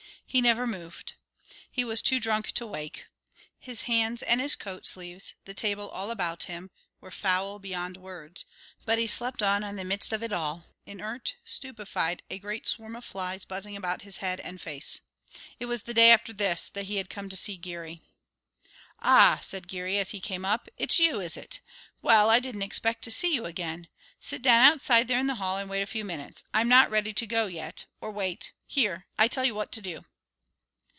He never moved. He was too drunk to wake. His hands and his coat sleeves, the table all about him, were foul beyond words, but he slept on in the midst of it all, inert, stupefied, a great swarm of flies buzzing about his head and face. It was the day after this that he had come to see Geary. "Ah," said Geary, as he came up, "it's you, is it? Well, I didn't expect to see you again. Sit down outside there in the hall and wait a few minutes. I'm not ready to go yet or, wait; here, I tell you what to do."